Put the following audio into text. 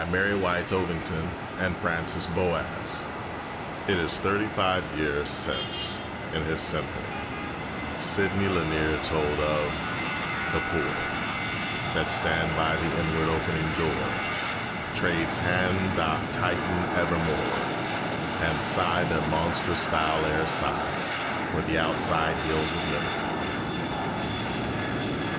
CHAPTER II WHERE THE NEGRO LIVES It is thirty five years since, in his Symphony, Sidney Lanier told of "The poor That stand by the inward opening door Trade's hand doth tighten evermore, And sigh their monstrous foul air sigh For the outside hills of liberty."